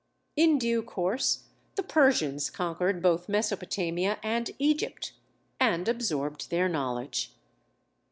In due course the Persians conquered both Mesopotamia and Egypt and absorbed their knowledge.